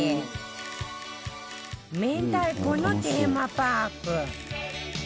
明太子のテーマパーク